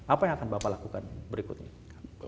apa yang akan bapak lakukan berikutnya